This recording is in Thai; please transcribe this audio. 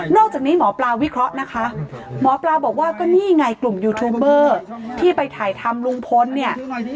จากนี้หมอปลาวิเคราะห์นะคะหมอปลาบอกว่าก็นี่ไงกลุ่มยูทูบเบอร์ที่ไปถ่ายทำลุงพลเนี่ย